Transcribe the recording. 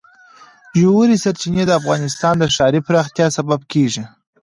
ژورې سرچینې د افغانستان د ښاري پراختیا سبب کېږي.